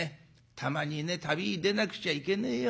たまにね旅へ出なくちゃいけねえよ。